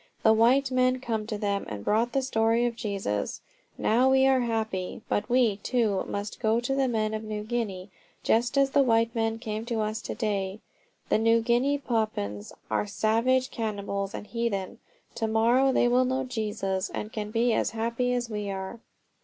"The white men came to them and brought the story of Jesus. Now we are happy. But we, too, must go to the men of New Guinea, just as the white men came to us. To day the New Guinea Papuans are savage cannibals and heathen. To morrow they will know Jesus and be as happy as we are."